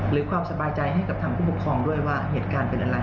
ความสบายใจให้กับทางผู้ปกครองด้วยว่าเหตุการณ์เป็นอะไร